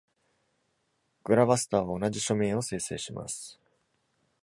gravastar は同じ署名を生成します。